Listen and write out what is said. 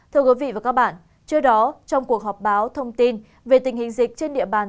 thưa quý vị và các bạn trước đó trong cuộc họp báo thông tin về tình hình dịch trên địa bàn